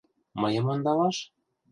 — Мыйым ондалаш?